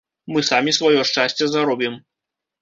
Мы самі сваё шчасце заробім.